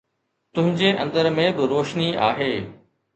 تنهنجي اندر ۾ به روشني آهي